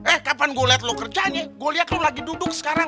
eh kapan gue liat lo kerjanya gue liat lu lagi duduk sekarang